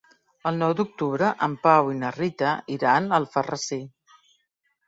El nou d'octubre en Pau i na Rita iran a Alfarrasí.